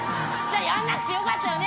やんなくてよかったよね